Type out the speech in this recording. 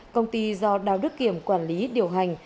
công ty do đào đức kiểm quản lý điều hành